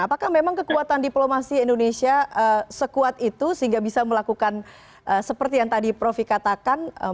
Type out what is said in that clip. apakah memang kekuatan diplomasi indonesia sekuat itu sehingga bisa melakukan seperti yang tadi profi katakan